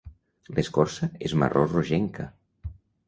L'escorça és marró rogenca.